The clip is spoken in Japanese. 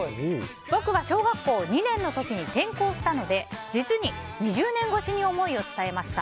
僕は小学校２年の時に転校したので実に２０年越しに思いを伝えました。